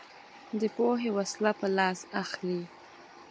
دی پوهې وسله په لاس اخلي